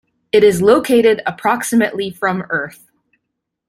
It is located approximately from Earth.